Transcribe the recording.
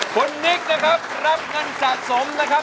คุณนิกนะครับรับเงินสะสมนะครับ